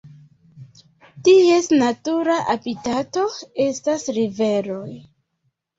Ties natura habitato estas riveroj.